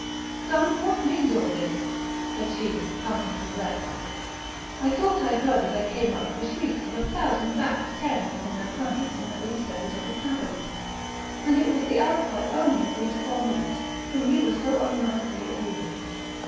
"Son! what means all this?" said she, panting for breath. "I thought I heard as I came up the shrieks of a thousand bats tearing from their crannies in the recesses of a cavern; and it was the outcry only of these poor mutes, whom you were so unmercifully abusing.